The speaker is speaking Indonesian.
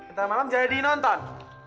ntar malam jangan dinonton